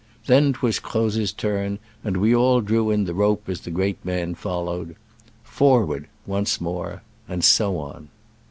Then 'twas Croz's turn, and we all drew in the rope as the great man followed. "Forward" once more — and so on.